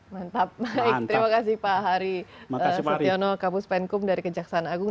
mantap terima kasih pak hari setyono kapus penkum dari kejaksaan agung